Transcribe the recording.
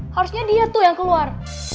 harusnya dia tuh yang keluar